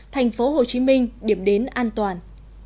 thành phố hồ chí minh điểm đến an toàn